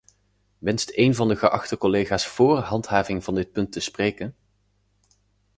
Wenst een van de geachte collega's voor handhaving van dit punt te spreken?